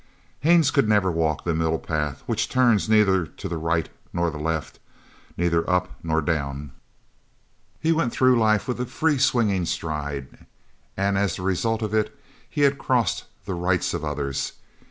Haines could never walk that middle path which turns neither to the right nor the left, neither up nor down. He went through life with a free swinging stride, and as the result of it he had crossed the rights of others.